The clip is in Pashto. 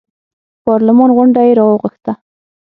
پارلمان غونډه یې راوغوښته.